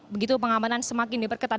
begitu pengamanan semakin diperketatan